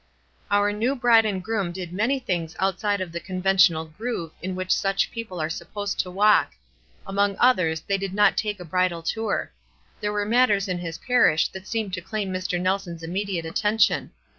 Our new bride and groom did many things outside of the conventional groove in which such people are supposed to walk. Among others they did not take a bridal tour. There were matters in his parish that seemed to claim Mr. Nelson's immediate attention.